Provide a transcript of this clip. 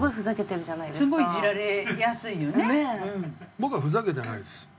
僕はふざけてないです。